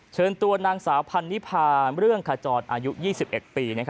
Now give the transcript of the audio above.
เชิญตัวนางสาวพันนิพาเรื่องขจรอายุ๒๑ปี